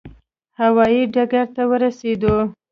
هوا یي ډګر ته ورسېدو.